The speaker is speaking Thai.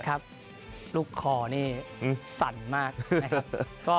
ครับลูกคอนี่สั่นมาก